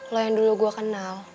lo yang dulu gue kenal